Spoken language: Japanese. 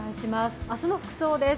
明日の服装です。